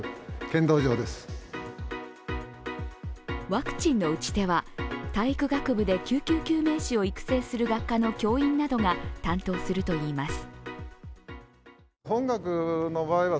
ワクチンの打ち手は体育学部で救急救命士を育成する学科の教員などが担当するといいます。